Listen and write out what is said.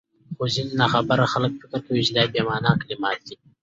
خو ځيني ناخبره خلک فکر کوي چي دا بې مانا کلمات دي،